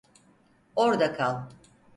Orda kal!